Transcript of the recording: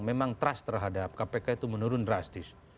memang trust terhadap kpk itu menurun drastis